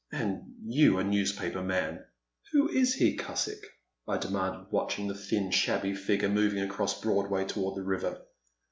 — An* you a newspaper man !"Who is he, Cusick ?" I demanded, watching the thin shabby figure moving across Broadway toward the river.